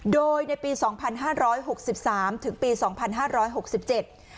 โดยในปีสองพันห้าร้อยหกสิบสามถึงปีสองพันห้าร้อยหกสิบเจ็ด